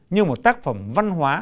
như một tác phẩm văn hóa